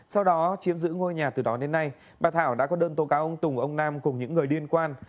sau đó chiếm giữ ngôi nhà từ đó đến nay bà thảo đã có đơn tố cáo ông tùng ông nam cùng những người liên quan